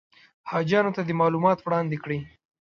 حاجیانو ته دې معلومات وړاندې کړي.